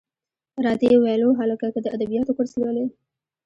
را ته یې وویل: وهلکه! که د ادبیاتو کورس لولې.